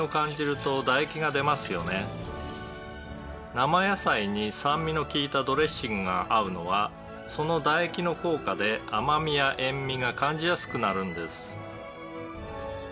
「生野菜に酸味の利いたドレッシングが合うのはその唾液の効果で甘みや塩味が感じやすくなるんです」